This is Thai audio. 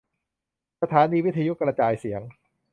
สถานีวิทยุกระจายเสียง